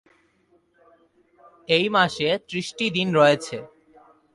এই মাসে ত্রিশটি দিন রয়েছে।